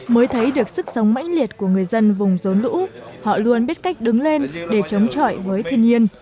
mới thấy được sức sống mãnh liệt của người dân vùng rốn lũ họ luôn biết cách đứng lên để chống chọi với thiên nhiên